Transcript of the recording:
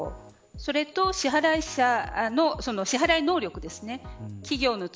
それと支払い者の支払い能力。